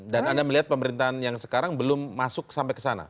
dan anda melihat pemerintahan yang sekarang belum masuk sampai ke sana